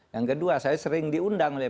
yang kedua saya sering diundang oleh